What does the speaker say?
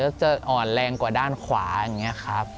แล้วจะอ่อนแรงกว่าด้านขวาอย่างนี้ครับ